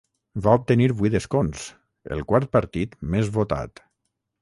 Va obtenir vuit escons, el quart partit més votat.